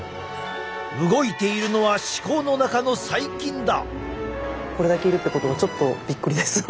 動いているのは歯垢の中の細菌だ。